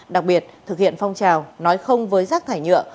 đặc biệt thực hiện phong trào nói không với rác thải nhựa